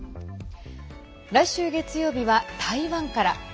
来週月曜日は台湾から。